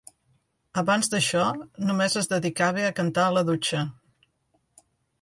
Abans d'això, només es dedicava a cantar en la dutxa.